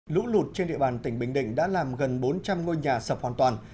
lũ lụt trên địa bàn tỉnh bình định đã làm gần bốn trăm linh ngôi nhà sập hoàn toàn